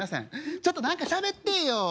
ちょっと何かしゃべってよ。